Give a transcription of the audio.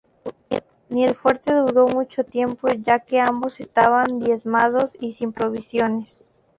Ni el fuerte duró mucho tiempo ya que ambos estaban diezmados y sin provisiones.